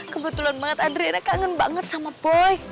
kebetulan banget adriana kangen banget sama boy